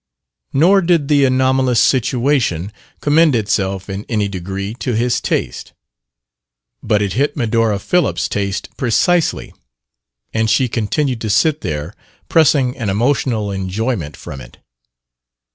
Nor did the anomalous situation commend itself in any degree to his taste. But it hit Medora Phillips' taste precisely, and she continued to sit there, pressing an emotional enjoyment from it.